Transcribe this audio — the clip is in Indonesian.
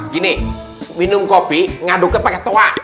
gini minum kopi ngaduknya pakai toa